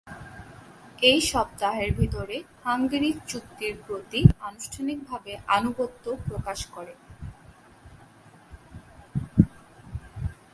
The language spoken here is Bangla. এক সপ্তাহের ভেতরে হাঙ্গেরি চুক্তির প্রতি আনুষ্ঠানিকভাবে আনুগত্য প্রকাশ করে।